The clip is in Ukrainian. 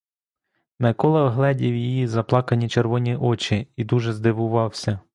Микола вгледів її заплакані червоні очі і дуже здивувався.